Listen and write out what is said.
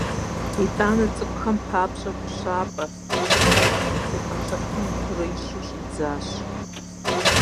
ИтӀанэ цӏыкӏухэм папщӀэ гущапӏэ, щыгъын, тепӏэнщӏэлъын идурэ ищэу щӀидзащ.